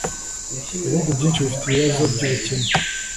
Ibihugu byinshi bifite ibibazo byubukene